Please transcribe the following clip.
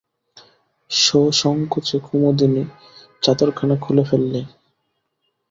সসংকোচে কুমুদিনী চাদরখানা খুলে ফেললে।